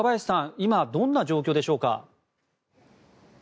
今どんな状況でしょうか？